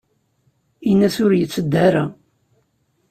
Ini-as ur yetteddu ara.